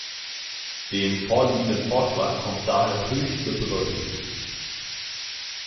Dem vorliegenden Vorschlag kommt daher höchste Bedeutung zu.